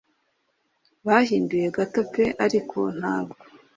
Bahinduye gato pe ariko ntabwo